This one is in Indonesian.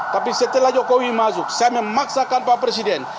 tapi setelah jokowi masuk saya memaksakan pak presiden